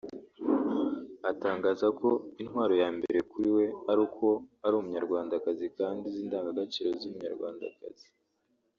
atangaza ko intwaro ya mbere kuri we ari uko ari umunyarwandakazi kandi uzi indangagaciro z’umunyarwandakazi